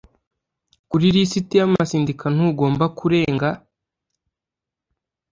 kuri lisiti y amasendika ntugomba kurenga